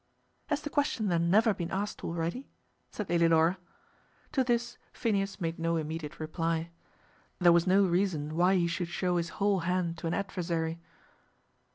"Has the question then never been asked already?" said Lady Laura. To this Phineas made no immediate reply. There was no reason why he should show his whole hand to an adversary.